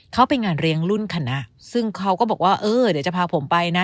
เขาไปงานเลี้ยงรุ่นคณะซึ่งเขาก็บอกว่าเออเดี๋ยวจะพาผมไปนะ